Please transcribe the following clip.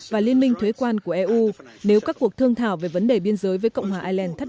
và liên minh thuế quan của eu nếu các cuộc thương thảo về vấn đề biên giới với cộng hòa ireland thất